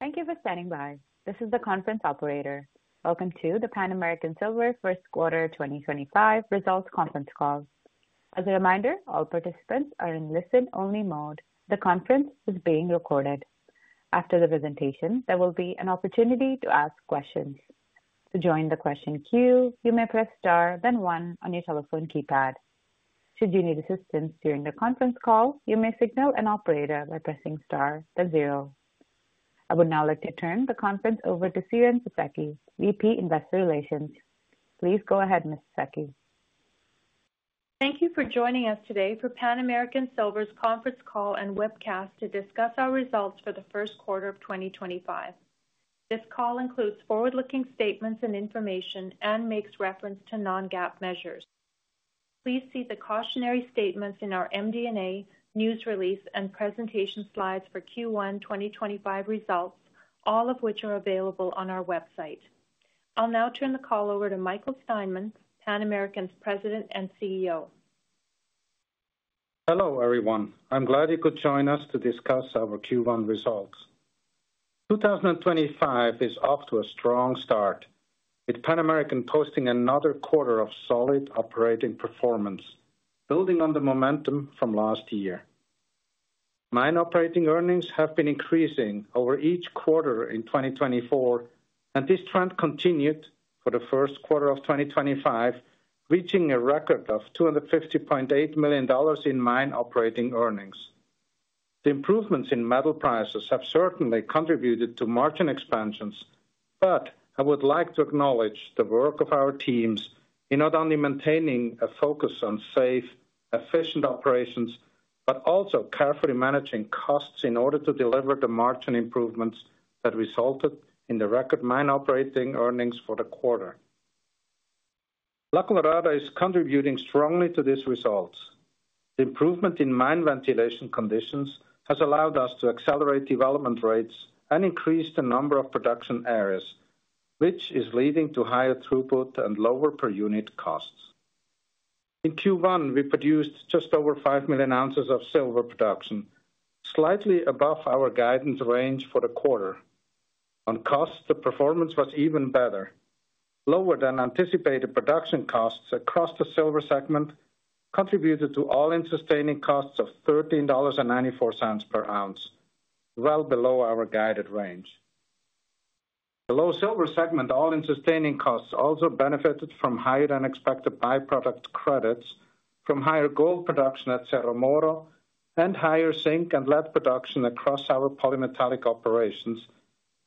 Thank you for standing by. This is the conference operator. Welcome to the Pan American Silver First Quarter 2025 results conference call. As a reminder, all participants are in listen-only mode. The conference is being recorded. After the presentation, there will be an opportunity to ask questions. To join the question queue, you may press star, then one on your telephone keypad. Should you need assistance during the conference call, you may signal an operator by pressing star, then zero. I would now like to turn the conference over to Siren Fisekci, VP Investor Relations. Please go ahead, Ms. Fisekci. Thank you for joining us today for Pan American Silver's conference call and webcast to discuss our results for the First Quarter of 2025. This call includes forward-looking statements and information and makes reference to non-GAAP measures. Please see the cautionary statements in our MD&A news release and presentation slides for Q1 2025 results, all of which are available on our website. I'll now turn the call over to Michael Steinmann, Pan American's President and CEO. Hello everyone. I'm glad you could join us to discuss our Q1 results. 2025 is off to a strong start, with Pan American posting another quarter of solid operating performance, building on the momentum from last year. Mine operating earnings have been increasing over each quarter in 2024, and this trend continued for the first quarter of 2025, reaching a record of $250.8 million in mine operating earnings. The improvements in metal prices have certainly contributed to margin expansions, but I would like to acknowledge the work of our teams in not only maintaining a focus on safe, efficient operations, but also carefully managing costs in order to deliver the margin improvements that resulted in the record mine operating earnings for the quarter. La Colorada is contributing strongly to these results. The improvement in mine ventilation conditions has allowed us to accelerate development rates and increase the number of production areas, which is leading to higher throughput and lower per unit costs. In Q1, we produced just over five million ounces of silver production, slightly above our guidance range for the quarter. On costs, the performance was even better. Lower than anticipated production costs across the silver segment contributed to all-in sustaining costs of $13.94 per ounce, well below our guided range. Below silver segment, all-in sustaining costs also benefited from higher than expected by-product credits from higher gold production at Cerro Moro and higher zinc and lead production across our polymetallic operations,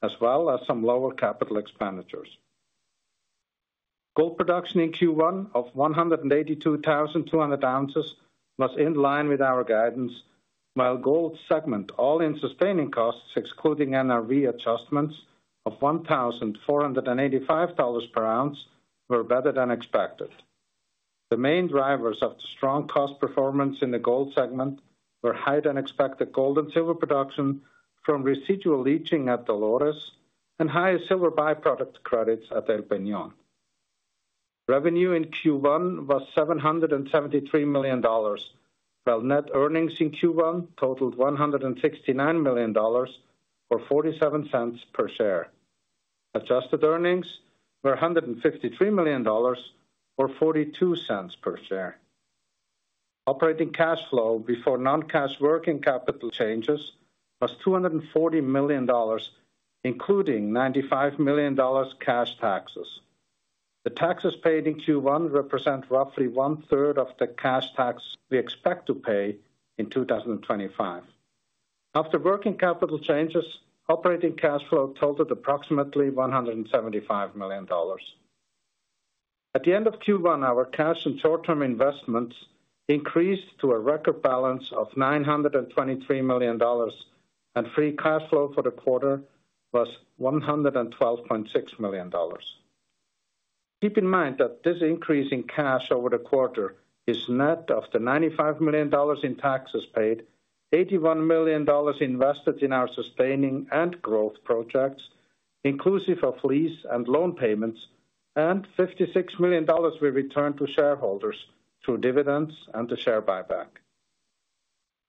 as well as some lower capital expenditures. Gold production in Q1 of 182,200 ounces was in line with our guidance, while gold segment all-in sustaining costs, excluding NRV adjustments of $1,485 per ounce, were better than expected. The main drivers of the strong cost performance in the gold segment were higher than expected gold and silver production from residual leaching at Dolores and higher silver by-product credits at El Peñon Revenue in Q1 was $773 million, while net earnings in Q1 totaled $169 million or $0.47 per share. Adjusted earnings were $153 million or $0.42 per share. Operating cash flow before non-cash working capital changes was $240 million, including $95 million cash taxes. The taxes paid in Q1 represent roughly 1/3 of the cash tax we expect to pay in 2025. After working capital changes, operating cash flow totaled approximately $175 million. At the end of Q1, our cash and short-term investments increased to a record balance of $923 million, and free cash flow for the quarter was $112.6 million. Keep in mind that this increase in cash over the quarter is net of the $95 million in taxes paid, $81 million invested in our sustaining and growth projects, inclusive of lease and loan payments, and $56 million we returned to shareholders through dividends and the share buyback.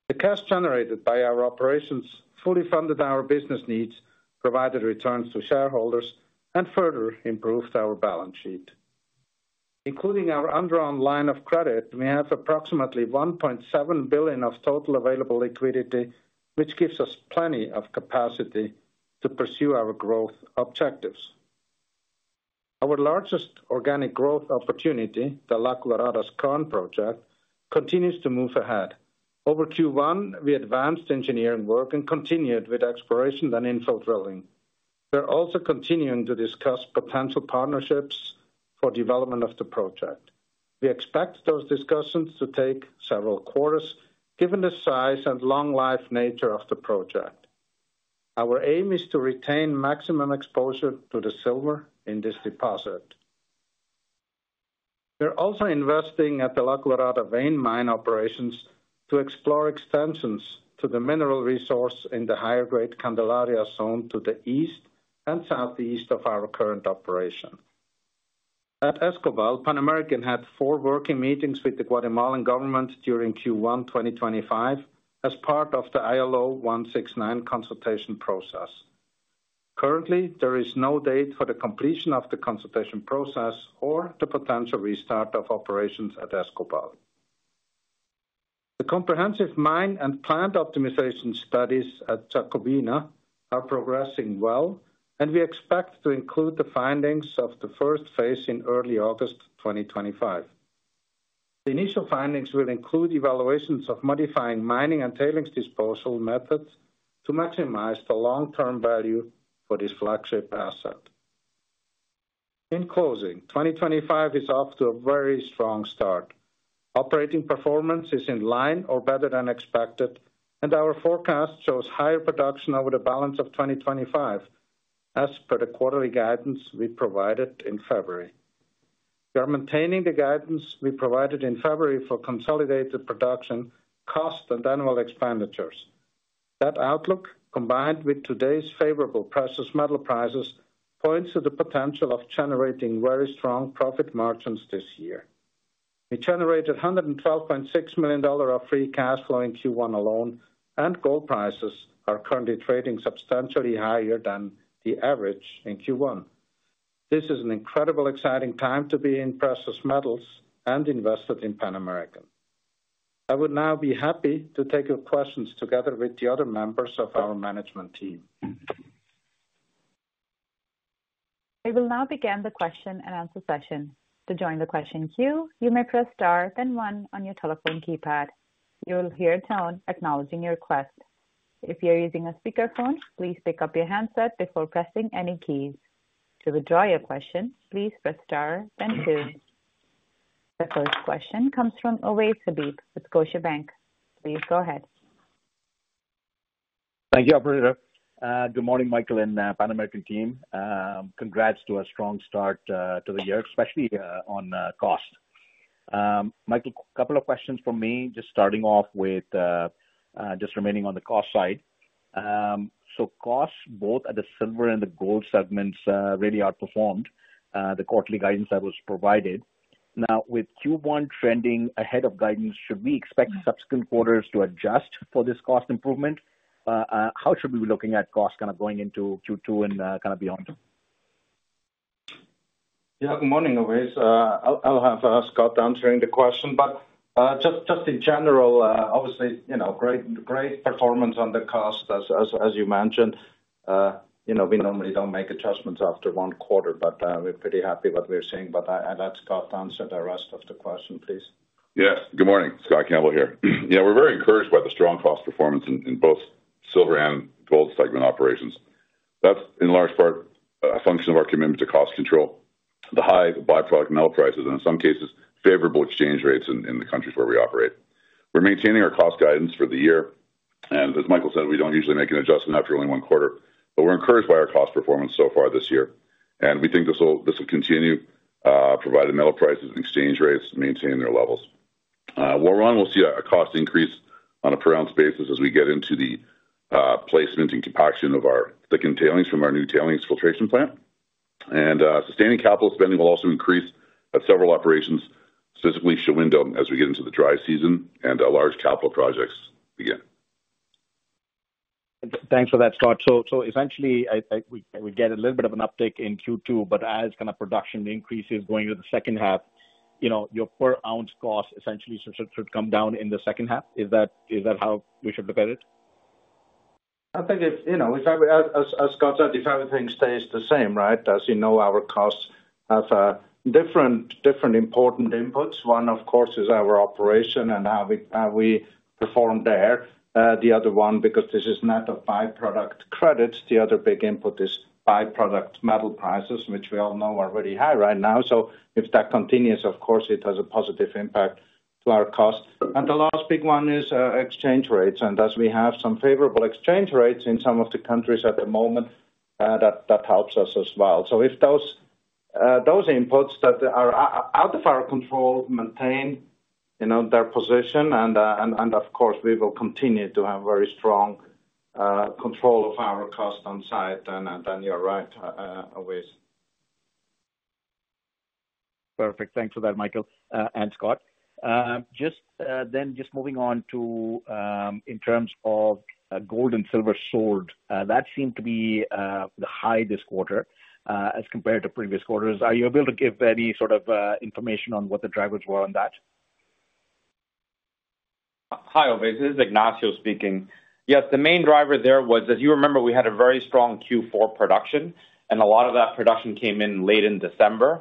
The cash generated by our operations fully funded our business needs, provided returns to shareholders, and further improved our balance sheet. Including our underlying line of credit, we have approximately $1.7 billion of total available liquidity, which gives us plenty of capacity to pursue our growth objectives. Our largest organic growth opportunity, the La Colorada Skarn project, continues to move ahead. Over Q1, we advanced engineering work and continued with exploration and infill drilling. We're also continuing to discuss potential partnerships for development of the project. We expect those discussions to take several quarters, given the size and long-life nature of the project. Our aim is to retain maximum exposure to the silver in this deposit. We're also investing at the La Colorada Vein Mine Operations to explore extensions to the mineral resource in the higher-grade Candelaria zone to the east and southeast of our current operation. At Escobal, Pan American had four working meetings with the Guatemalan government during Q1 2025 as part of the ILO 169 consultation process. Currently, there is no date for the completion of the consultation process or the potential restart of operations at Escobal. The comprehensive mine and plant optimization studies at Shahuindo are progressing well, and we expect to include the findings of the first phase in early August 2025. The initial findings will include evaluations of modifying mining and tailings disposal methods to maximize the long-term value for this flagship asset. In closing, 2025 is off to a very strong start. Operating performance is in line or better than expected, and our forecast shows higher production over the balance of 2025 as per the quarterly guidance we provided in February. We are maintaining the guidance we provided in February for consolidated production, cost, and annual expenditures. That outlook, combined with today's favorable precious metal prices, points to the potential of generating very strong profit margins this year. We generated $112.6 million of free cash flow in Q1 alone, and gold prices are currently trading substantially higher than the average in Q1. This is an incredibly exciting time to be in precious metals and invested in Pan American. I would now be happy to take your questions together with the other members of our management team. We will now begin the question-and-answer session. To join the question queue, you may press star, then one on your telephone keypad. You will hear a tone acknowledging your request. If you're using a speakerphone, please pick up your handset before pressing any keys. To withdraw your question, please press star, then two. The first question comes from Ovais Habib with Scotiabank. Please go ahead. Thank you, Operator. Good morning, Michael and Pan American team. Congrats to a strong start to the year, especially on cost. Michael, a couple of questions for me, just starting off with just remaining on the cost side. So costs, both at the silver and the gold segments, really outperformed the quarterly guidance that was provided. Now, with Q1 trending ahead of guidance, should we expect subsequent quarters to adjust for this cost improvement? How should we be looking at costs kind of going into Q2 and kind of beyond? Yeah, good morning, Ovais. I'll have Scott answering the question, but just in general, obviously, great performance on the cost, as you mentioned. We normally don't make adjustments after one quarter, but we're pretty happy with what we're seeing. But I'd like Scott to answer the rest of the question, please. Yes, good morning. Scott Campbell here. Yeah, we're very encouraged by the strong cost performance in both silver and gold segment operations. That's in large part a function of our commitment to cost control, the high by-product metal prices, and in some cases, favorable exchange rates in the countries where we operate. We're maintaining our cost guidance for the year. And as Michael said, we don't usually make an adjustment after only one quarter, but we're encouraged by our cost performance so far this year. And we think this will continue provided metal prices and exchange rates maintain their levels. We'll run. We'll see a cost increase on a per ounce basis as we get into the placement and compaction of our thickened tailings from our new tailings filtration plant. Sustaining capital spending will also increase at several operations, specifically Shahuindo, as we get into the dry season and large capital projects begin. Thanks for that, Scott. So essentially, we get a little bit of an uptick in Q2, but as kind of production increases going into the second half, your per-ounce cost essentially should come down in the second half. Is that how we should look at it? I think as Scott said, if everything stays the same, right? As you know, our costs have different important inputs. One, of course, is our operation and how we perform there. The other one, because this is net of by-product credits, the other big input is by-product metal prices, which we all know are very high right now. So if that continues, of course, it has a positive impact to our cost. And the last big one is exchange rates. And as we have some favorable exchange rates in some of the countries at the moment, that helps us as well. So if those inputs that are out of our control maintain their position, and of course, we will continue to have very strong control of our cost on site, then you're right, Ovais. Perfect. Thanks for that, Michael and Scott. Just then moving on to in terms of gold and silver sold, that seemed to be the high this quarter as compared to previous quarters. Are you able to give any sort of information on what the drivers were on that? Hi, Ovais. This is Ignacio speaking. Yes, the main driver there was, as you remember, we had a very strong Q4 production, and a lot of that production came in late in December.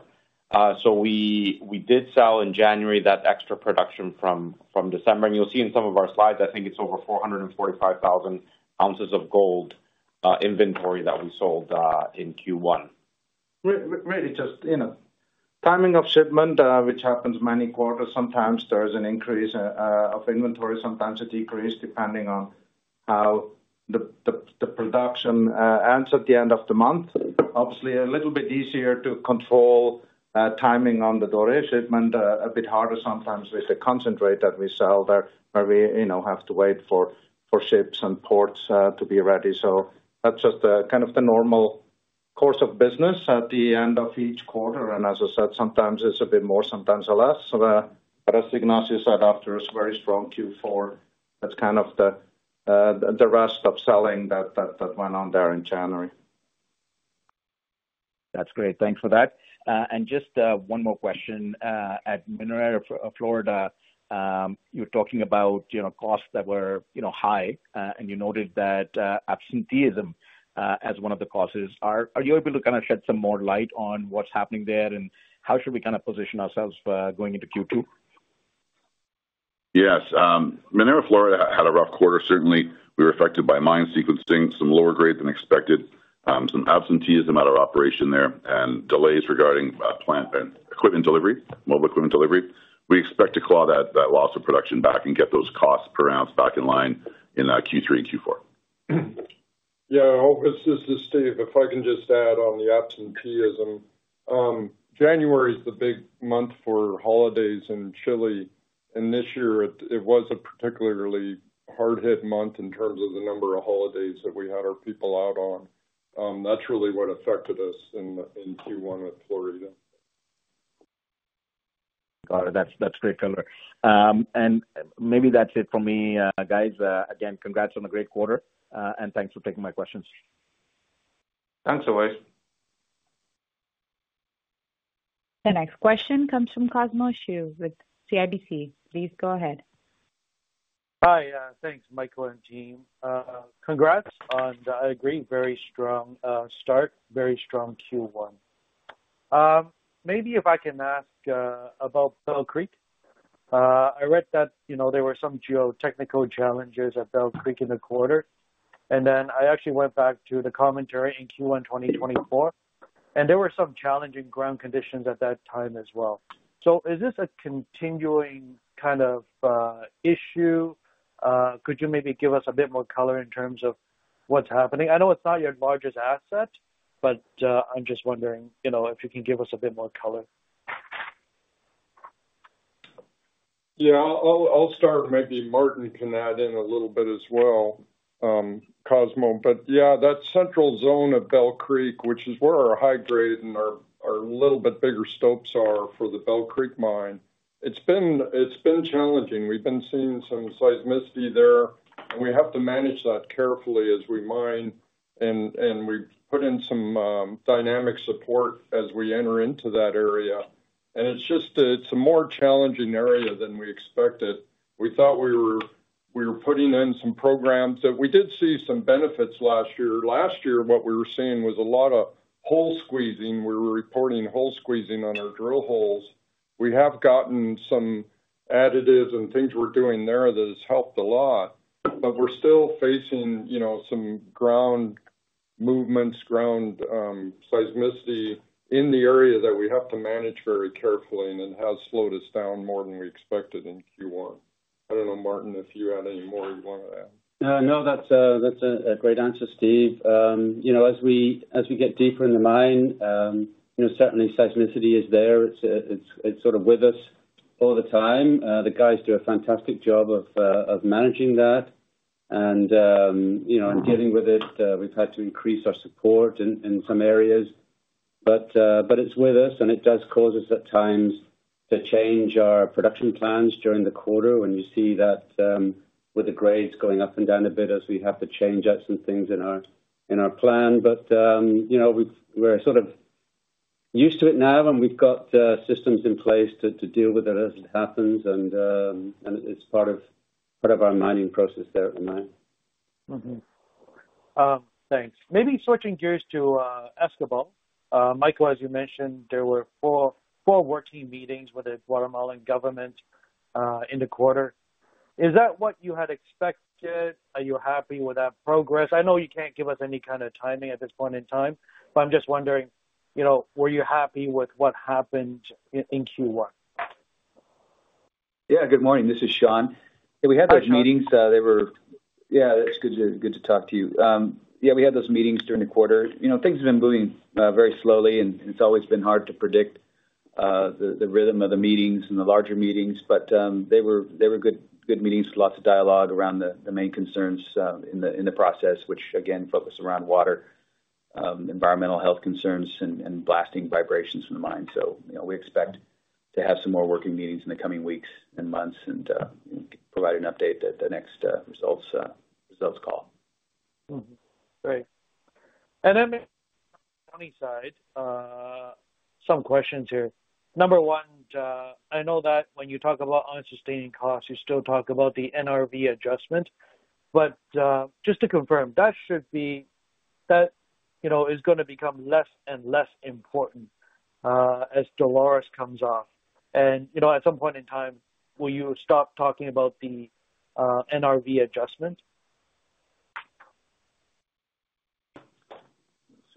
So we did sell in January that extra production from December. You'll see in some of our slides, I think it's over 445,000 ounces of gold inventory that we sold in Q1. Really, just timing of shipment, which happens many quarters. Sometimes there is an increase of inventory, sometimes a decrease depending on how the production ends at the end of the month. Obviously, a little bit easier to control timing on the Doré shipment, a bit harder sometimes with the concentrate that we sell there, where we have to wait for ships and ports to be ready. So that's just kind of the normal course of business at the end of each quarter. And as I said, sometimes it's a bit more, sometimes a less. But as Ignacio said, after a very strong Q4, that's kind of the rest of selling that went on there in January. That's great. Thanks for that. And just one more question. At Minera Florida, you were talking about costs that were high, and you noted that absenteeism as one of the causes. Are you able to kind of shed some more light on what's happening there and how should we kind of position ourselves going into Q2? Yes. Minera Florida had a rough quarter. Certainly, we were affected by mine sequencing, some lower grade than expected, some absenteeism at our operation there, and delays regarding plant and equipment delivery, mobile equipment delivery. We expect to claw that loss of production back and get those costs per ounce back in line in Q3 and Q4. Yeah, this is Steve. If I can just add on the absenteeism, January is the big month for holidays in Chile. And this year, it was a particularly hard-hit month in terms of the number of holidays that we had our people out on. That's really what affected us in Q1 at Minera Florida. Got it. That's great, color. And maybe that's it for me, guys. Again, congrats on a great quarter, and thanks for taking my questions. Thanks, Ovais. The next question comes from Cosmos Chiu with CIBC. Please go ahead. Hi, thanks, Michael and team. Congrats on a great, very strong start, very strong Q1. Maybe if I can ask about Bell Creek. I read that there were some geotechnical challenges at Bell Creek in the quarter, and then I actually went back to the commentary in Q1 2024, and there were some challenging ground conditions at that time as well, so is this a continuing kind of issue? Could you maybe give us a bit more color in terms of what's happening? I know it's not your largest asset, but I'm just wondering if you can give us a bit more color. Yeah, I'll start. Maybe Martin can add in a little bit as well, Cosmos, but yeah, that central zone of Bell Creek, which is where our high-grade and our little bit bigger stopes are for the Bell Creek mine, it's been challenging. We've been seeing some seismicity there, and we have to manage that carefully as we mine, and we put in some dynamic support as we enter into that area, and it's just a more challenging area than we expected. We thought we were putting in some programs that we did see some benefits last year. Last year, what we were seeing was a lot of hole squeezing. We were reporting hole squeezing on our drill holes. We have gotten some additives and things we're doing there that have helped a lot, but we're still facing some ground movements, ground seismicity in the area that we have to manage very carefully, and it has slowed us down more than we expected in Q1. I don't know, Martin, if you had any more you wanted to add. No, that's a great answer, Steve. As we get deeper in the mine, certainly seismicity is there. It's sort of with us all the time. The guys do a fantastic job of managing that. And dealing with it, we've had to increase our support in some areas. But it's with us, and it does cause us at times to change our production plans during the quarter when you see that with the grades going up and down a bit as we have to change out some things in our plan. But we're sort of used to it now, and we've got systems in place to deal with it as it happens. And it's part of our mining process there at the mine. Thanks. Maybe switching gears to Escobal. Michael, as you mentioned, there were four working meetings with the Guatemalan government in the quarter. Is that what you had expected? Are you happy with that progress? I know you can't give us any kind of timing at this point in time, but I'm just wondering, were you happy with what happened in Q1? Yeah, good morning. This is Siren. We had those meetings. Yeah, it's good to talk to you. Yeah, we had those meetings during the quarter. Things have been moving very slowly, and it's always been hard to predict the rhythm of the meetings and the larger meetings. But they were good meetings, lots of dialogue around the main concerns in the process, which again, focused around water, environmental health concerns, and blasting vibrations in the mine. So we expect to have some more working meetings in the coming weeks and months and provide an update at the next results call. Great. And then on the company side, some questions here. Number one, I know that when you talk about sustaining costs, you still talk about the NRV adjustment. But just to confirm, that should be that is going to become less and less important as Dolores comes off. And at some point in time, will you stop talking about the NRV adjustment?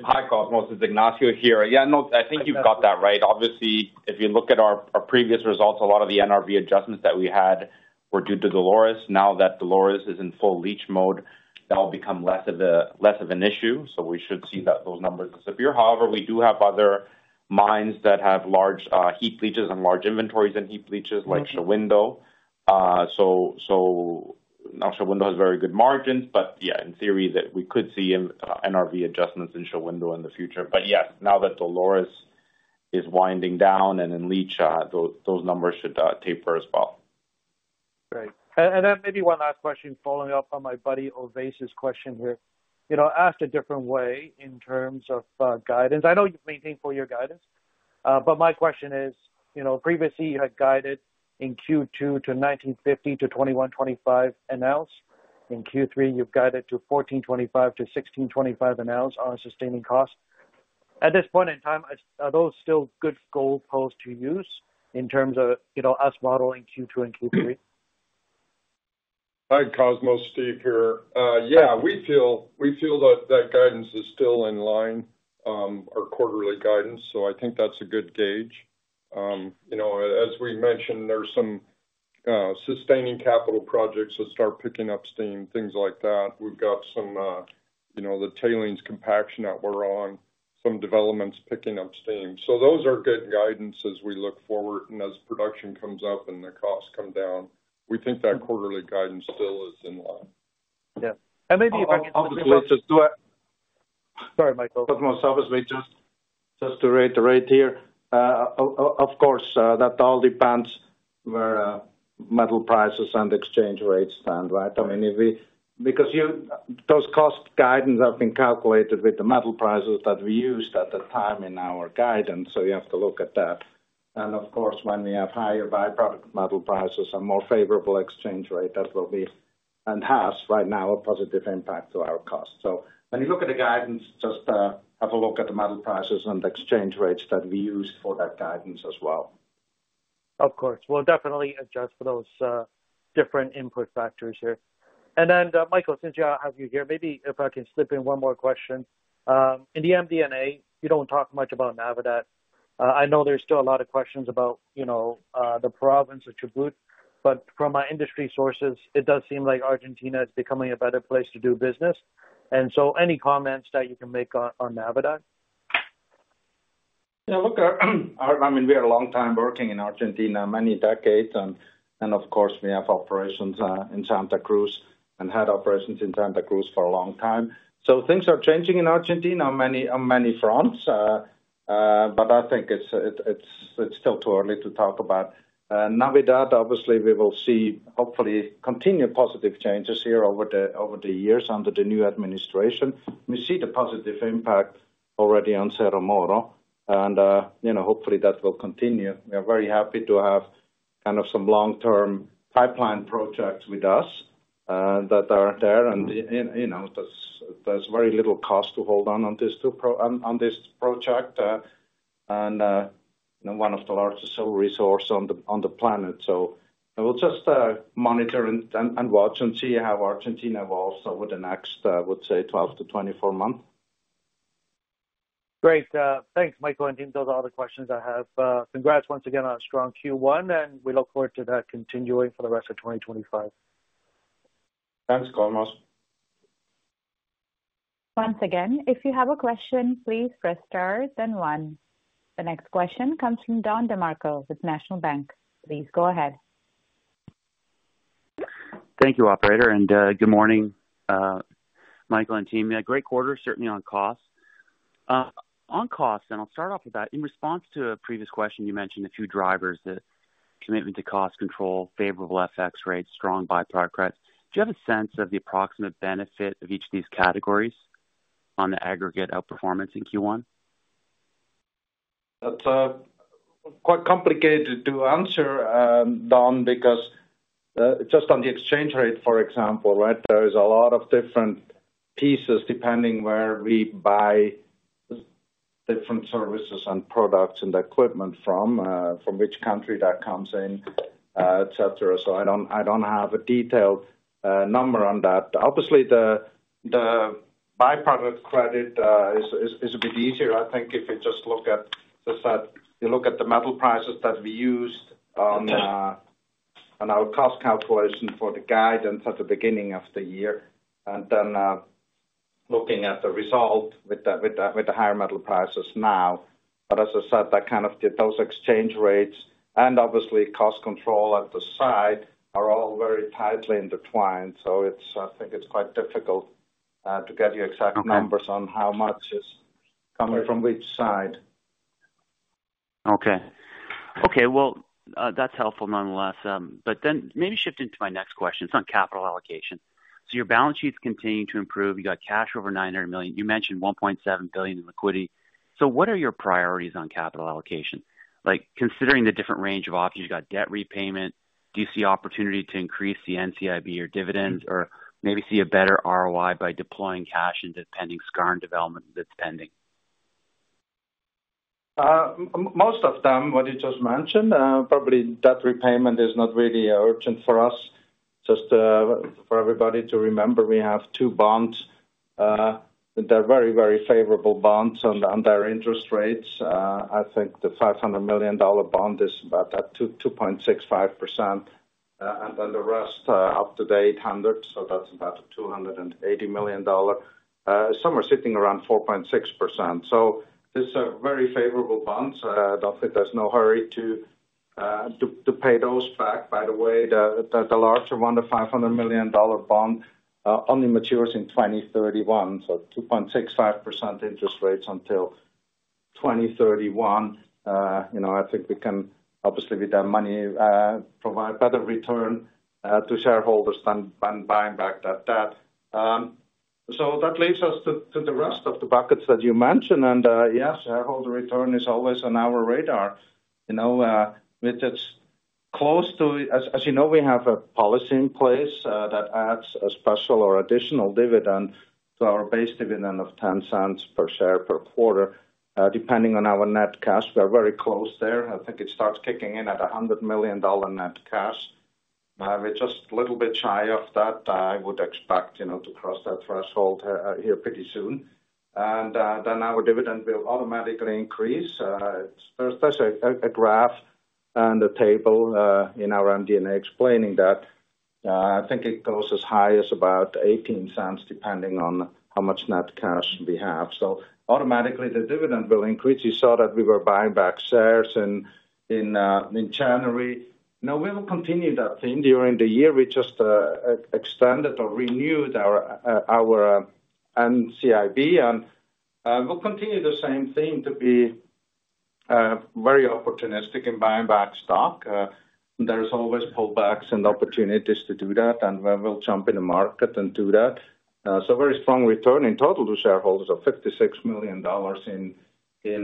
Hi, Cosmos. This is Ignacio here. Yeah, no, I think you've got that right. Obviously, if you look at our previous results, a lot of the NRV adjustments that we had were due to Dolores. Now that Dolores is in full leach mode, that will become less of an issue, so we should see those numbers disappear. However, we do have other mines that have large heap leaches and large inventories in heap leaches, like Shahuindo. So now Shahuindo has very good margins, but yeah, in theory, we could see NRV adjustments in Shahuindo in the future, but yes, now that Dolores is winding down and in leach, those numbers should taper as well. Great. And then maybe one last question following up on my buddy Ovais's question here. Asked a different way in terms of guidance. I know you've maintained four-year guidance, but my question is, previously, you had guided in Q2 to $1,950-$2,125 an ounce. In Q3, you've guided to $1,425-$1,625 an ounce on sustaining costs. At this point in time, are those still good goalposts to use in terms of us modeling Q2 and Q3? Hi, Cosmos. Steve here. Yeah, we feel that guidance is still in line, our quarterly guidance. So I think that's a good gauge. As we mentioned, there's some sustaining capital projects that start picking up steam, things like that. We've got some of the tailings compaction that we're on, some developments picking up steam. So those are good guidance as we look forward and as production comes up and the costs come down. We think that quarterly guidance still is in line. Yeah, and maybe if I can just. Cosmos, sorry. Sorry, Michael. Cosmos, just to reiterate here, of course, that all depends where metal prices and exchange rates stand, right? I mean, because those cost guidance have been calculated with the metal prices that we used at the time in our guidance. So you have to look at that. And of course, when we have higher by-product metal prices and more favorable exchange rate, that will be and has right now a positive impact to our costs. So when you look at the guidance, just have a look at the metal prices and the exchange rates that we used for that guidance as well. Of course. We'll definitely adjust for those different input factors here. Michael, since you're here, maybe if I can slip in one more question. In the MD&A, you don't talk much about Navidad. I know there's still a lot of questions about the province of Chubut, but from my industry sources, it does seem like Argentina is becoming a better place to do business. Any comments that you can make on Navidad? Yeah, look, I mean, we are a long time working in Argentina, many decades. Of course, we have operations in Santa Cruz and had operations in Santa Cruz for a long time. Things are changing in Argentina on many fronts. I think it's still too early to talk about Navidad. Obviously, we will see, hopefully, continue positive changes here over the years under the new administration. We see the positive impact already on Cerro Moro. Hopefully, that will continue. We are very happy to have kind of some long-term pipeline projects with us that are there. There's very little cost to hold on to this project. One of the largest resources on the planet. We'll just monitor and watch and see how Argentina evolves over the next, I would say, 12 to 24 months. Great. Thanks, Michael. And those are all the questions I have. Congrats once again on a strong Q1. And we look forward to that continuing for the rest of 2025. Thanks, Cosmos. Once again, if you have a question, please press star and one. The next question comes from Don DeMarco with National Bank. Please go ahead. Thank you, Operator, and good morning, Michael and team. Great quarter, certainly on costs. On costs, and I'll start off with that. In response to a previous question, you mentioned a few drivers: the commitment to cost control, favorable FX rates, strong by-product credit. Do you have a sense of the approximate benefit of each of these categories on the aggregate outperformance in Q1? That's quite complicated to answer, Don, because just on the exchange rate, for example, right, there is a lot of different pieces depending where we buy different services and products and equipment from, from which country that comes in, etc. So I don't have a detailed number on that. Obviously, the by-product credit is a bit easier, I think, if you just look at the metal prices that we used on our cost calculation for the guidance at the beginning of the year. And then looking at the result with the higher metal prices now. But as I said, that kind of those exchange rates and obviously cost control on site are all very tightly intertwined. So I think it's quite difficult to get you exact numbers on how much is coming from which side. Okay. Okay. Well, that's helpful nonetheless. But then maybe shift into my next question. It's on capital allocation. So your balance sheets continue to improve. You got cash over $900 million. You mentioned $1.7 billion in liquidity. So what are your priorities on capital allocation? Considering the different range of options, you got debt repayment. Do you see opportunity to increase the NCIB or dividends or maybe see a better ROI by deploying cash into pending skarn development that's pending? Most of them, what you just mentioned, probably debt repayment is not really urgent for us. Just for everybody to remember, we have two bonds. They're very, very favorable bonds on their interest rates. I think the $500 million bond is about that 2.65%. And then the rest up to the 800. So that's about a $280 million. Somewhere sitting around 4.6%. So these are very favorable bonds. I don't think there's no hurry to pay those back. By the way, the larger one, the $500 million bond, only matures in 2031. So 2.65% interest rates until 2031. I think we can obviously with that money provide better return to shareholders than buyback that debt. So that leads us to the rest of the buckets that you mentioned. And yes, shareholder return is always on our radar. It's close to, as you know, we have a policy in place that adds a special or additional dividend to our base dividend of $0.10 per share per quarter. Depending on our net cash, we are very close there. I think it starts kicking in at $100 million net cash. We're just a little bit shy of that. I would expect to cross that threshold here pretty soon, and then our dividend will automatically increase. There's a graph and a table in our MD&A explaining that. I think it goes as high as about $0.18 depending on how much net cash we have, so automatically, the dividend will increase. You saw that we were buying back shares in January. Now we will continue that theme during the year. We just extended or renewed our NCIB and will continue the same theme to be very opportunistic in buyback stock. There's always pullbacks and opportunities to do that. And we'll jump in the market and do that. So very strong return in total to shareholders of $56 million in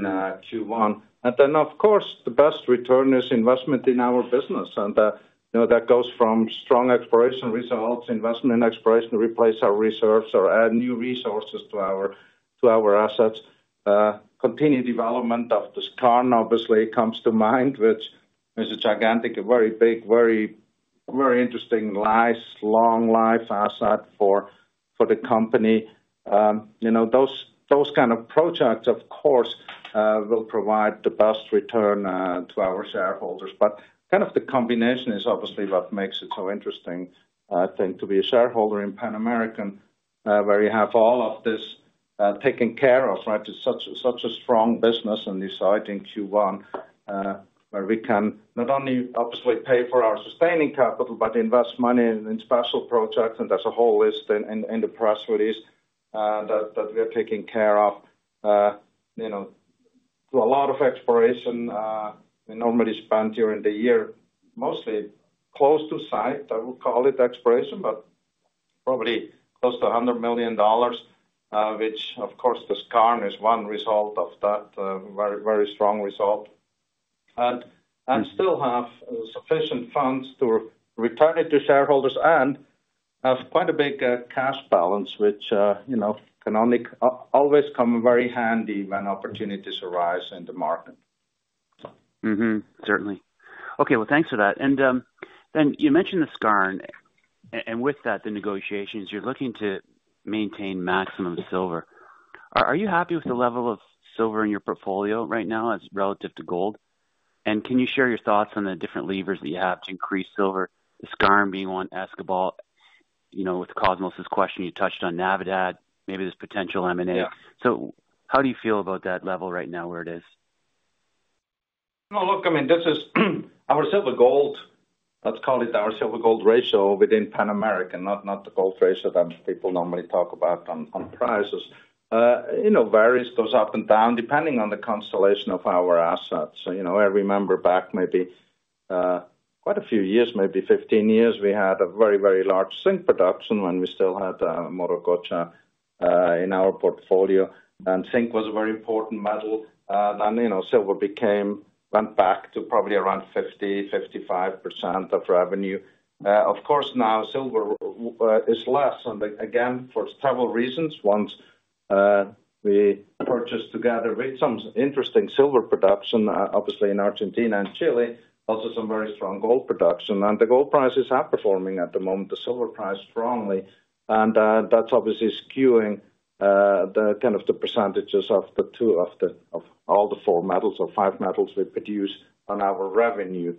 Q1. And then, of course, the best return is investment in our business. And that goes from strong exploration results, investment in exploration to replace our reserves or add new resources to our assets. Continued development of the Skarn, obviously, comes to mind, which is a gigantic, very big, very interesting long life asset for the company. Those kind of projects, of course, will provide the best return to our shareholders. But kind of the combination is obviously what makes it so interesting, I think, to be a shareholder in Pan American, where you have all of this taken care of, right? It's such a strong business in Q1, where we can not only obviously pay for our sustaining capital, but invest money in special projects. And there's a whole list in the press release with these that we are taking care of. A lot of exploration normally spent during the year, mostly close to site. I would call it exploration, but probably close to $100 million, which, of course, the skarn is one result of that very strong result. And still have sufficient funds to return it to shareholders and have quite a big cash balance, which can always come very handy when opportunities arise in the market. Certainly. Okay. Well, thanks for that. And then you mentioned the Skarn. And with that, the negotiations, you're looking to maintain maximum silver. Are you happy with the level of silver in your portfolio right now as relative to gold? And can you share your thoughts on the different levers that you have to increase silver, the Skarn being one, Escobal? With Cosmos' question, you touched on Navidad, maybe this potential M&A. So how do you feel about that level right now where it is? Look, I mean, this is our silver-gold, let's call it our silver-gold ratio within Pan American, not the gold ratio that people normally talk about on prices. It varies, goes up and down depending on the constellation of our assets. I remember back maybe quite a few years, maybe 15 years, we had a very, very large zinc production when we still had Morococha in our portfolio. And zinc was a very important metal. Then silver went back to probably around 50%-55% of revenue. Of course, now silver is less. And again, for several reasons. Once we purchased together with some interesting silver production, obviously in Argentina and Chile, also some very strong gold production. And the gold prices are performing at the moment. The silver price strongly. That's obviously skewing the kind of the percentages of all the four metals or five metals we produce on our revenue.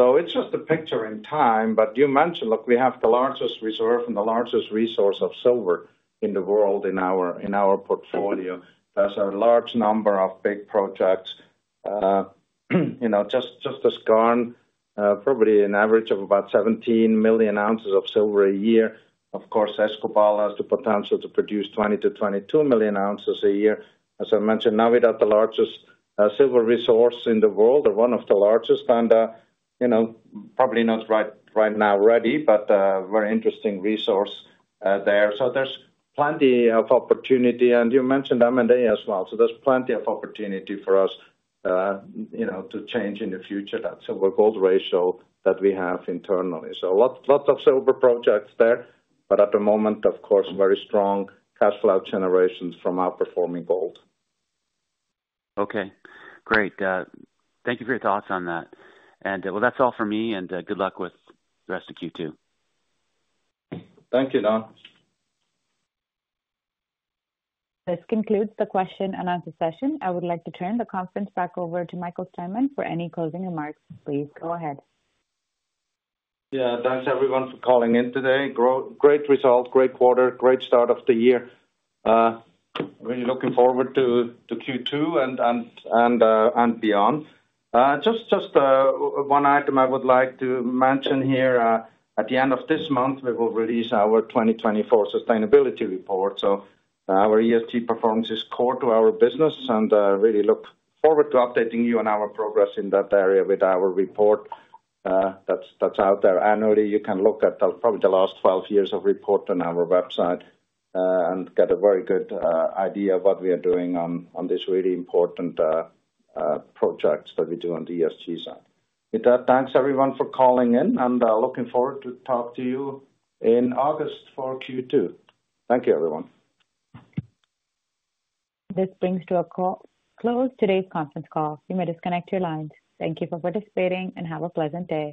It's just a picture in time. You mentioned, look, we have the largest reserve and the largest resource of silver in the world in our portfolio. There's a large number of big projects. Just the Skarn, probably an average of about 17 million ounces of silver a year. Of course, Escobal has the potential to produce 20-22 million ounces a year. As I mentioned, Navidad, the largest silver resource in the world or one of the largest. Probably not right now ready, but a very interesting resource there. There's plenty of opportunity. You mentioned M&A as well. There's plenty of opportunity for us to change in the future that silver-gold ratio that we have internally. So lots of silver projects there. But at the moment, of course, very strong cash flow generations from outperforming gold. Okay. Great. Thank you for your thoughts on that, and well, that's all for me, and good luck with the rest of Q2. Thank you, Don. This concludes the question-and-answer session. I would like to turn the conference back over to Michael Steinmann for any closing remarks. Please go ahead. Yeah. Thanks, everyone, for calling in today. Great result, great quarter, great start of the year. Really looking forward to Q2 and beyond. Just one item I would like to mention here. At the end of this month, we will release our 2024 sustainability report. So our ESG performance is core to our business. And really look forward to updating you on our progress in that area with our report that's out there annually. You can look at probably the last 12 years of report on our website and get a very good idea of what we are doing on these really important projects that we do on the ESG side. With that, thanks, everyone, for calling in. And looking forward to talk to you in August for Q2. Thank you, everyone. This brings to a close today's conference call. You may disconnect your lines. Thank you for participating and have a pleasant day.